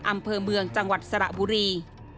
อำเภอเมืองจังหวัดสระบุรี